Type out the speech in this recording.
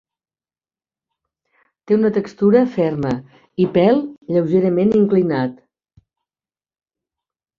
Té una textura ferma i pèl lleugerament inclinat.